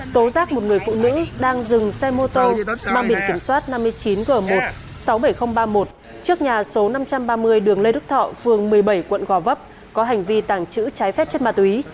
tố giác một người phụ nữ đang dừng xe mô tô mang biển kiểm soát năm mươi chín g một sáu mươi bảy nghìn ba mươi một trước nhà số năm trăm ba mươi đường lê đức thọ phường một mươi bảy quận gò vấp có hành vi tàng trữ trái phép chất ma túy